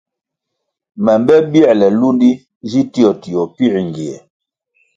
Me mbe bierle lúndi zi tio tio pięr ngie.